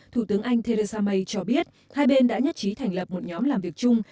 thủ tướng anh theresa may cho biết hai bên đã nhất trí thành lập một nhóm làm việc chung